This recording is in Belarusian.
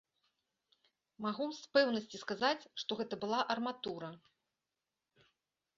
Магу з пэўнасці сказаць, што гэта была арматура.